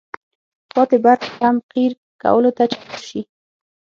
پاتې برخې هم قیر کولو ته چمتو شي.